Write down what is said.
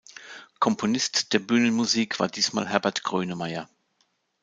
Komponist der Bühnenmusik war diesmal Herbert Grönemeyer.